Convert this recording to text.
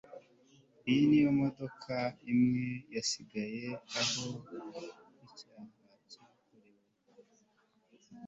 iyi niyo modoka imwe yasigaye aho icyaha cyakorewe